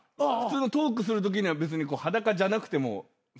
普通のトークするときには別に裸じゃなくても。